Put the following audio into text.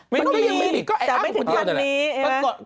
มันก็ยังไม่มีแต่ไม่ถึงท่านนี้